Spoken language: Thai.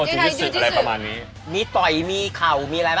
อเจมส์เล่นแบบซายไม่เขาร่าง